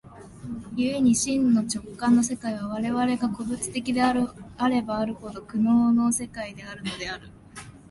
故に真の直観の世界は、我々が個物的であればあるほど、苦悩の世界であるのである。